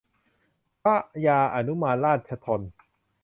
พระยาอนุมานราชธน